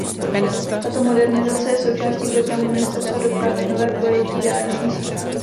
Tato modernizace je součástí programu ministerstva dopravy Nové pojetí dálniční sítě.